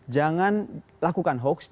jangan lakukan hoaks